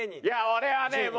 いや俺はね